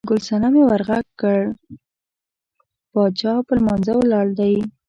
ګل صنمې ور غږ کړل، باچا په لمانځه ولاړ دی.